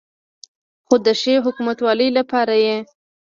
خو د ښې حکومتولې لپاره یې